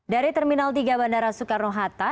dari terminal tiga bandara soekarno hatta